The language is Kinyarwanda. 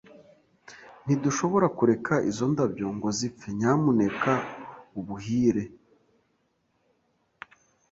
Ntidushobora kureka izo ndabyo ngo zipfe. Nyamuneka ubuhire.